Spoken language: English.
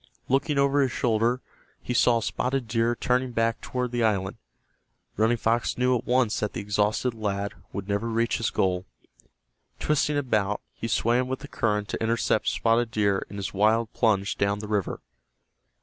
Looking over his shoulder, he saw Spotted Deer turning back toward the island. Running Fox knew at once that the exhausted lad would never reach his goal. Twisting about he swam with the current to intercept Spotted Deer in his wild plunge down the river.